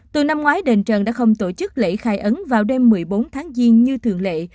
từ năm ngoái đền trần đã không tổ chức lễ khai ấn vào đêm một mươi bốn tháng giêng như thường lệ